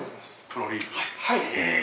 プロリーグ？ええ。